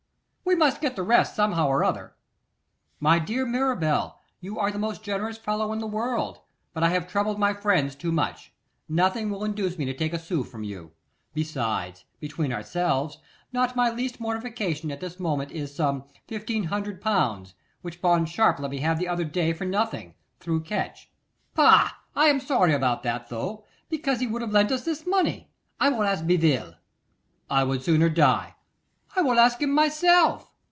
We must get the rest somehow or other.' 'My dear Mirabel, you are the most generous fellow in the world; but I have troubled my friends too much. Nothing will induce me to take a sou from you. Besides, between ourselves, not my least mortification at this moment is some 1,500L., which Bond Sharpe let me have the other day for nothing, through Catch.' 'Pah! I am sorry about that, though, because he would have lent us this money. I will ask Bevil.' 'I would sooner die.' 'I will ask him for myself.